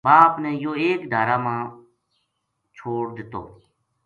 باپ نے یوہ ایک ڈھارہ ما ما چھوڈ دتو